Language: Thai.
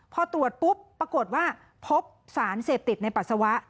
พอตรวจปุ๊บปรากฏว่าพบสารเสพติดในปัสสาวะ